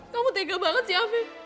kamu tega banget ya afif